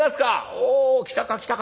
「おお来たか来たか。